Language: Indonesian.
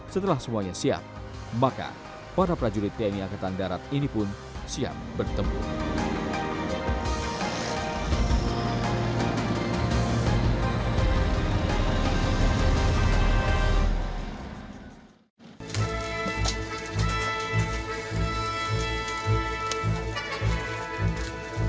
setelah semuanya siap maka para prajurit tni angkatan darat ini pun siap bertempuran